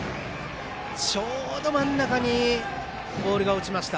ちょうど真ん中にボールが落ちました。